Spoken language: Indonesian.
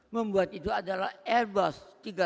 membuat itu adalah airbus tiga ratus